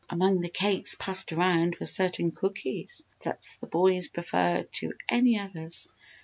Among the cakes passed around were certain cookies that the boys preferred to any others.